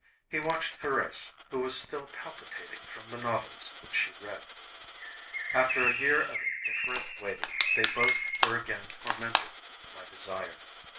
He watched Thérèse who was still palpitating from the novels which she read. After a year of indifferent waiting they both were again tormented by desire.